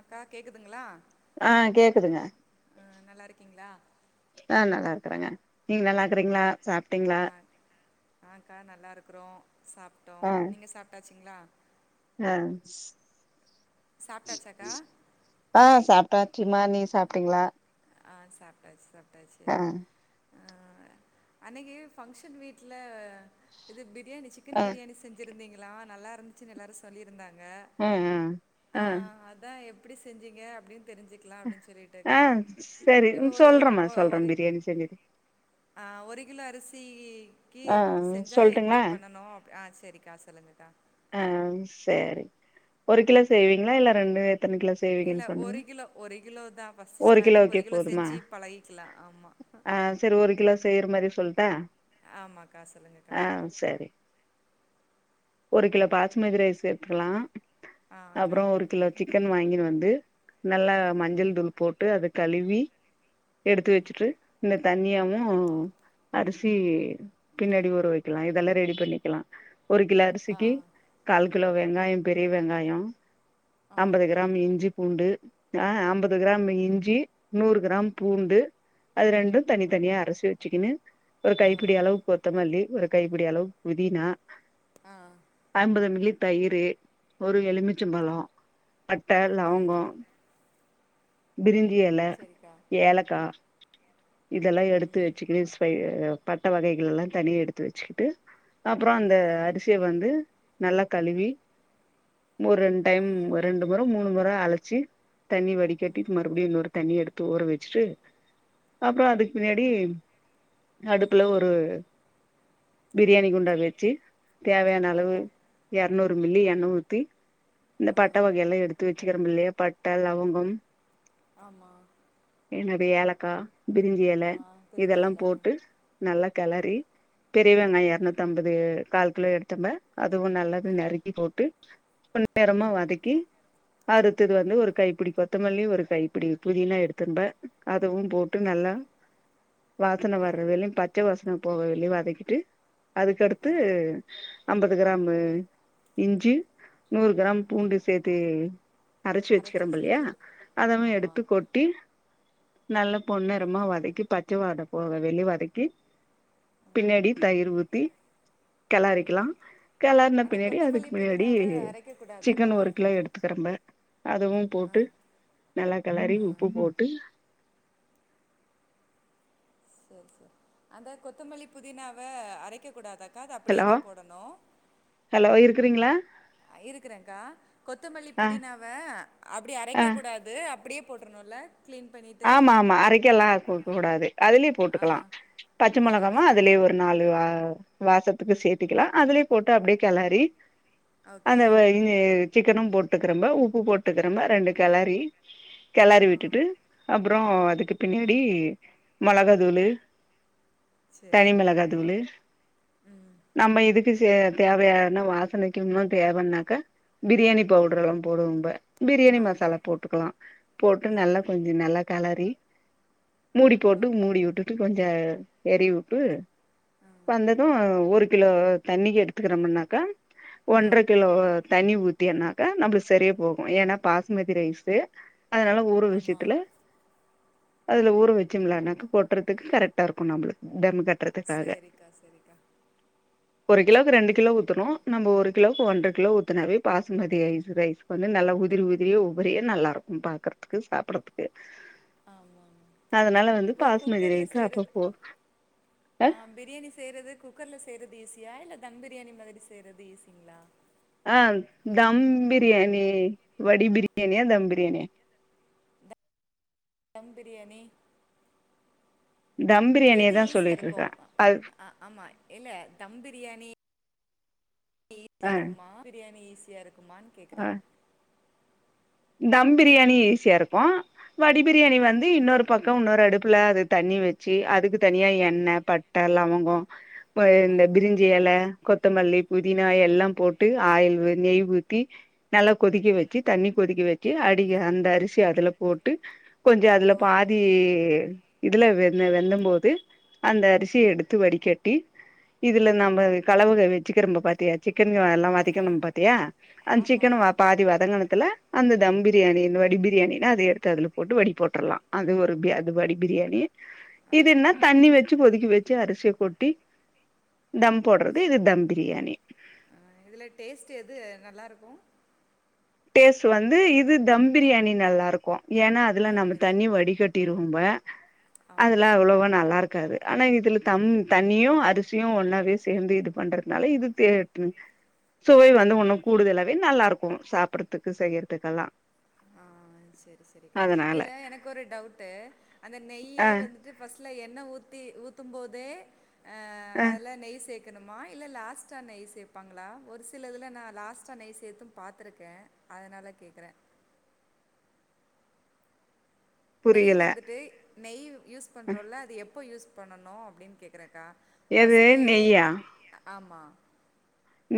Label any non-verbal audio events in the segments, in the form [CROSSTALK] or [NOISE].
அக்கா கேக்குதுங்களா ஆஹ் கேக்குதுங்க அஹ் நல்லா இருக்கீங்களா ஆஹ் நல்லா இருக்கறேங்க நீங்க நல்லா இருக்கறீங்களா சாப்பிட்டீங்களா ஆ ஆக்கா நல்லா இருக்கிறோம் சாப்பிட்டோம் நீங்க சாப்பிட்டா சிங்களா ஆஹ் சாப்பிட்டாச்சாக்கா ஆ சாப்டாச்சிமா நீ சாப் அப்டிங்களா ஆ சாப்பிட்டாச்சு சாப்ப ப்டாச்சு ஆ அன்னக்கி ஃபங்க்சன் வீட்டுல இது பிட் பிரியாணிசிக்கன் ஆ பிரியாணி செஞ்சிருந்தீங்கல்லா எலாம் நல்லா இருந்துச்சு எல்லாரும்சொலிருந்தாங்க ஹம் ஹ் ஆஹ் எப்டி செஞ்சீங்க அப்டின்னு தெரி்சிக்கலாம் அப்டின்னு சொல்லிடே ஆ கா சரி உ சொல்றேமா சொல்றே பிரியாணி செஞ்சது ஆஹ் ஒரு கிலோ அரிசி கி ஆ செஞ்சா எப்டி சொல்ட்டுங்களா பண்ணனும் ஆ செ செரிக்கா சொல்லுங்ககா ஆஹ் சரி ஒரு கிலோ செய்வீங்களா இல்ல ரெண்டு பேத் இல்ல ஒரு கிலோ ஒரு கிலோ தான்ஃபஸ்டு ஸ்டார்டிங் கிலோக்கே ஒரு கிலோ போதுமா செஞ்சு பழகிக்கலாம் ஆமா ஆ சரி ஒரு கிலோ செய்யற மாரி சொல்லிட்டா ஆமாக்கா சொல்லுங்கக்கா சரி ஒரு கிலோ பாஸ்மதி ரைஸ் சேத்துகலாம் ஆ அக்கா அப்பறம் ஒரு கிலோ சிக்கன் வாங்கினு வந்து நல்லா ம் மஞ்சள் தூள் போட்டு அத கழுவி எடுத்து வச்சிட்டு இந்த தண்ணியாவும் அரிசி பின்னாடி ஊற வக்கலாம் இதெல்லாம் ரெடி பண்ணிக்கலாம் ஒரு கிலோ அரிசிக் ஆ கி கால் கிலோ வெங்காயம் பெரிய வெங்காயம் ஆ அம்பது கிராம் இஞ்சி பூண்டு ஆஹ் அம்பது கிராம் இஞ்சி நூறு கிராம் பூண்டு அது ரெண்டும் தனி தனியா அரச்சி வச்சுக்கனு ஒரு கைப்பிடி ஆ அளவுக்கு கொத்தமல்லி ஒரு கைபிடி அளவு புதினா ஆஹ் ஐம்பது மில்லி தயிறு ஒரு எலுமிச்சம்பழம் பட்ட ம் லவங்கம் பிரியா ஞ்சிஎல சரிக்கா ஏலக்காய் இதெல்லாம் எடுத்து ம் வச்சுக் [UNINTELLIGIBLE] பட்ட வகைகள் எல்லா தனியா எடுத்து வச்சுக்கிட்டு அப்ற அந்த ஆ அரிசிய வந்து நல்லா கழுவி ஒரு ரெண்டு ஆ டைம் ஒரு ரெண்டு முற மூணு முற அழச்சு தண்ணி ம் வடிகட்டிட்டு மறுபடியு இன்னொரு தண்ணி எடுத்து ஊற வச்சிட்டு அப்றோ அதுக்கு பின்னாடி அடுப்புல ஒரு பிரியாணி குண்டா வச்சு தேவையான அளவு ஆக்கா எரநூ று மில்லி எண்ணெ ஊத்தி இந்த பட்ட ம் வகை எல்லா எடுத்து வ ச்சுருக்கிறோ இல்லையா பட்ட லவங்கம் ஆமா என்னது ஏல க்கா பிரிஞ்சி எல ஆ பிரிஞ்சி இதெல்லா எல ஆ போட்டு நல்லா கெளறி பெரிய வெங்காயோ ஓகே எரநூத்தம்பது கால் கிலோ எடுத்தம்ப அதுவு நல்லாவே ஆ நறுக்கி போட்டு கொஞ்ச நேரமா வதக்கி அடுத்தது வந்து ஒரு கைப்பிடி கொத்தமல்லி ஒரு கைப்பிடி புதினா எடுத்தும்ப அதுவு போ ட்டு ஆமா நல்லா வாசன ஆ வர்ற வலயு பச்ச வாசன போவளியு வதக்கிட்டு ஆ அதுக்கடுத்து அம்பது கிராமு இஞ்சி நூறு கிராம் பூண்டு சேத்து அரைச்சு அரச்சு வச்சுக்கிறோம் இல்லையா வச்சிருக்கிறது அதமே ஆமா எடுத்து கொட்டி நல்ல பொன்னிறமா வதக்கி பச்ச வாட போக வெளி வதக்கி பின்னாடி தயிர் ஊத்தி கெளறிக்கலா கெளறுன அந்த பின்னாடி அதுக்கு கொத்தமல்லி மின்னாடி புதினாவ அரைக்க சிக்கன் கூடாதாக்கா ஒரு கிலோ எடுத்துக்கிறம்ப அதுவும் போட்டு நல்லா கெளறி உப்பு போட்டு செரி செரி அதா கொத்தமல்லி புதினாவ அரைக்க கூடாத க்கா அது அப்படியேதா போடணு குறீங்களா இருக்கறேன்க்கா கொத்தமல்லி ஆ புதினாவ அப்டி அரைக்க ஆ கூடாது அப்டியே போட்ருணுல ஆமா ஆமா அரைக்க எல்லாம் கு கூடாது அதுலயே ஆ போட்டுக்கலா பச்ச சரி மொளகாவு சரி அதுலயே ஒரு நாலு ஆ வாசத்துக்கு சேத்திக்கலா அதுலயே போட்டு அப்டியே கெளறி ஓகே அந்த அ இது சிக்கனும் போட்டுக்கிறம்ப உப்பு போட்டுக்கிறம்ப ரெண்டு கெளறி ஆ கெளறி விட்டுட்டு அப்புறோம் அதுக்கு பின்னாடி மொளகாதூளு சரி தனி சரி மிளகாதூளு ம் நம்ம இதுக்கு தேவையான வாசனைக்கு இன்னும் தேவைனாக்கா பிரியாணி பவுடர் எல்லாம் போடுவோம் நம்ம பிரியாணி ஆமா மசாலா போட்டுக்கலா போட்டு நல்லா சரி நல்ல கெளரி மூடி போட்டு ஓகே மூடி வுட்டுட்டு கொஞ்சம் எ எரிய உட்டு வந்ததும் ஒரு ஒரு கிலோ தண்ணி எடுத்துக்கிறோமுனாக்கா ஆ ஒன்ற கிலோ தண்ணி ஊத்தி ஊத்தினாக்கா நம்மளுக்கு சரியா போகும் ஏன்னா பாஸ்மதி ரைஸ்சு அதனால ஊற வெச்சு ஆமா அதுல ஊற வச்சும்லானாக்க கொட்டுறதுக்கு கரெக்டா இருக்கும் நம்மளுக்கு தம் கட் சரிக்கா சரிக்கா ஒரு கிலோக்கு ரெண்டு கிலோ ஊத்தணும் நம்ம ஒரு கிலோவுக்கு ஒன்ற கிலோ ஊத்தினாவே பாசுமதி ஐஸ் ரைஸ் வந்து நல்லா உதிரி உதிரியே உபரியா நல்லா இருக்கும் பாக்கறதுக்கு சாப்ற சாப்புட்றத்துக்கு ஆமா இப்போ பாசுமதி குக்கர்ல ரைஸ் செய்றது அப்பப்போ அ ஆ பிரியாணி செய்றது குக்கர்ல செய்றது ஈசியா இல்ல தம் பிரியாணி மாதிரி செய்றது ஈசிங்களா அ தம் பிரியாணி வடி பிரியாணியா தம் பிரியாணியா தம் பிரியாணி தம் பிரியாணிய எது தான் ஈஸியா சொல்லிட்டு இருக்கு இருக்கேன் அ அது அ ஆமா இல்ல தம் பிரியாணி ஈஸியா ஆ இருக்குமா பிரியாணி ஈஸியா ஈஸியா இருக் குமான்னு ஆ கேட்குறேன் தம் பிரியாணி ஈஸியா இருக்கு வடி ஆ பிரியாணி வந்து இன்னொரு பக்க இன்னொரு அடுப்பு தப்புல அது தண்ணி வச்சு அதுக்கு தனியா எண்ணெய் பட்ட லவங்க இந்த ஆமா பிரிஞ்சியல கொத்தமல்லி புதினா எல்லா போட்டு ஆயில் நெய் ஊத்தி நல்லா கொதிக்க வச்சி தண்ணி கொதிக்க வச்சிஅடி அந்த அரிசி அதுல போட்டு கொஞ்ச அதுல ஓ பாதி இதுல வெந்த வெந்தும் போது அந்த அரிசிய எடுத்து வடிகட்டி இதுல நம்ம கலவுக வச்சுக்கிறம்பம பாத்தியா சிக்கன எல்லாம் வதிக்கண பார்த்தியா அந்த ஆமா சிக்கன் ஆமா பாதி வதங்கணத்துல அந்த தம் பிரியாணிய வடி பிரியாணினென்ன அது எடுத்து அதுல போட்டு வடி போட்டுரலாம் அது ஒரு அது வடி பிரியாணி ஆ இது என்னா தண்ணி வச்சு கொதிக்கி வச்சு அரிசியை கொட்டி தம் போடுறது இது தம் பிரியாணி ஆ இதுல டேஸ்ட் எது நல்லா இருக்கும் டேஸ்ட் வந்து இது தம் பிரியாணி நல்லா இருக்கேம் ஏன்னா அதுல தம் நம்ம தண்ணி பிரியாணி வடடிகட்டிடுவேம் பொம்ப [INAUDIBLE] அதுலா ஆமா அவ்வளேவா நல்லா இருக்காது ஆனா இதுல தம் தண்ணியும் அரிசியும் ஒன்னாவே சேர்ந்து இது பண்றதுனால இது தே சுவை வந்து ஒண்ணும் கூடுதலாவே நல்லா இருக்கும் சாப்ப சாப்புறத்துக்கு செய்யறதுக்கெல்லாம் செரி செரிக்கா இதுல எனக்கு ஒரு டவுட் அந்த ஆ நெய்யே வந்து பஸ்ட் லஎன்ன ஊ ஊத்தி ஊத்தும் போதே ஆ ஆ அதெல்லாம் நெய் சேக் சேக்குனமா இல்ல லாஸ்ட்டா நெய் சேபாங்களா ஒரு சில இதுல நான் லாஸ்டா நெய் சேத்தும் பாத்துருக்கேன் அதனால கேக்குறேன் நெய் புரியல வந்துட்டு நெய் யூஸ் பண்றோல அது எப்போ யூஸ் ணணும் அபடின்னு கேக்குற ஆ, எது பஸ்ட்டு லேயே நெய்யா ஆம்மா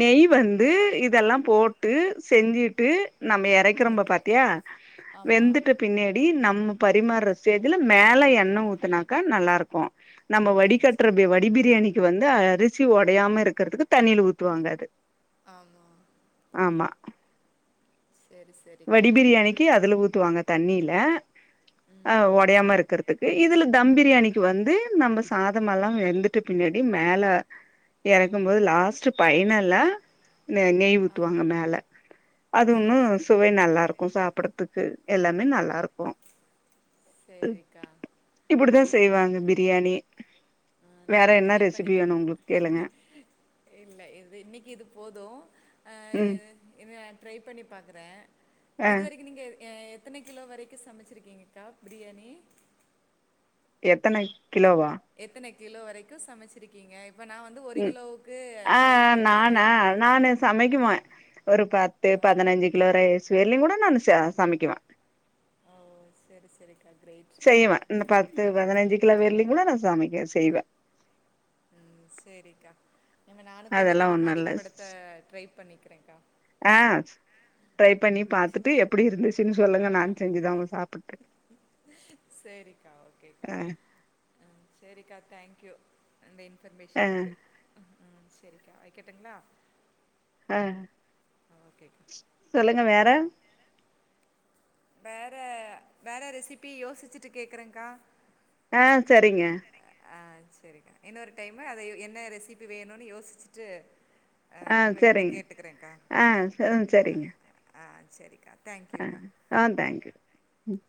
நெய் வந்து இதெல்லாம் போட்டு செஞ்சிட்டு நம்ம இறக்கிறம்ப ஓகே. பாத்தியா ஆமா. வெந்துட்டு பினேடி நம்ம பரிமாற ஸ்டேஜ்ல மேல எண்ண ஊத்தனாக்கா நல்லா யிருக்கும் நம்ம அ வடி சரி. கட்டரபபே வடி பிரியாணி வந்து அரிசி உடையாம இருக்கிறதுக்கு தண்ணில ஊத் துவாங்காது ஆமா அம்மா சரி சரிக்கா. வடி பிரியாணிக்கு அதுல ஊத்துவாங்க தண்ணில ஆ ஆஹ் ஒடையாம இருக்கிறது க்கு இதுல தம் பிரியாணிக்கு வந்து நம்ம சாதமெல்லாம் வெந்துட்ட பின்னாடி மேல இறக்கும் போது லாஸ்ட் பைனல்ல ந நெய் ஆ ஊத்துவாங்க மேல அது சரி ஒன்னும் சரி. ஸ் நல்லா இருக்கோ சாப்பிடறதுக்கு எல்லாமே நல்லா இருக்கோ ஸ் செரிக்கா செய்வாங்க பிரியாணி ஆஹ வேற நானு என்ன ட்ரை ரெசிபி பண்ணிப் வேணு உங்களுக்கு கேளுங்க ம்உ இல்ல இன்னிக்கு இது போது ஹ ம் இத. ட்ரை பண்ணி பாக்குற. ஆ இது வரைக்கு நீங்க. எ எத்தன கிலோ வரைக்கும் சமைச்சிருக்கீங்கக்கா பிரியாணி. எத்தனை. கிலோவா. எத்தன கிலோ வரைக்கு சமைச்சிருக்கீங்க. உம் ஆஹ கேட்டே நானா நானு சமைக்குவ. ஒரு பத்து பதினஞ்சு கிலோ ரைஸ். தெர்லிங் கூட நானு ச சமைக்குவ. ஓ செரி செரிக்கா. கிரேட் செய்யுவ இந்த பத்து பதினஞ்சு கிலோ வெர்லி. கூட நானு சாமிக்க செய்வ. உம் செரிக்கா நீங்க நானும் கொஞ்சோ அதெல்லா கொஞ்சமா ஒண்ணு அதிக படுத்த ட்ரை பண்ணிக்கிறே. ஆஹ ட்ரை பண்ணி பாத்துட்டு எப்படி இருந்துச்சுன்னு சொல்லுங்க நான். செஞ்சிதான்ங்க சாப். சேரிக்கா ஓகேக்கா. ஆ உம் சேரிக்கா தேங்க்யூ. அந்த ஆ இன்பர்மேஷனுக்கு. உஹம். சேரிக்கா வைக்கட்டுங்களா. ஆஹ. ஆஹ ஓகேக்கா. சொல்லுங்க வேற. வேற வேற ரெசிபி யோசிச்சுட்டு கேக்குறேங்க்கா. ஆஹ செரிங்க. ஆஹ சேரிக்கா இன்னொரு டைமு அத என்ன ரெசிபி வேணுன்னு யோசிச்சுட்டு. ஆ, ஆஹ உங்ககிட்ட சேரிங்க கேட்டுக்கிறேங்க்கா ஆஹ ஆ, சேரிங்க. ஆ சேரிக்கா. ஆஹ ஆஹ தேங்க்யூ. ம்.